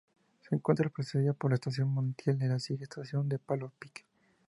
Se encuentra precedida por la Estación Montiel y le sigue Estación Palo a Pique.